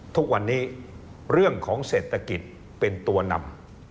ทุกวันนี้เรื่องของเศรษฐกิจเป็นตัวนำ